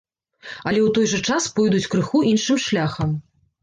Але ў той жа час пойдуць крыху іншым шляхам.